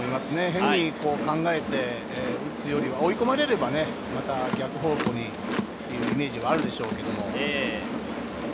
変に考えて打つよりは、追い込まれれば逆方向へのイメージはあるでしょうけれど。